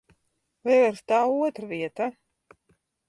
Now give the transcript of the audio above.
Vēl ir tā otra vieta.